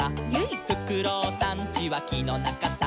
「フクロウさんちはきのなかさ」